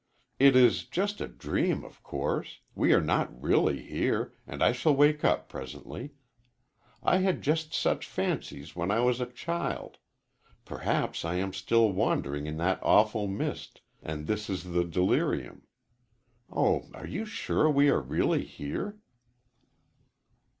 "It is just a dream, of course. We are not really here, and I shall wake up presently. I had just such fancies when I was a child. Perhaps I am still wandering in that awful mist, and this is the delirium. Oh, are you sure we are really here?"